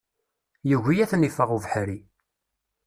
Yugi ad ten-iffeɣ ubeḥri.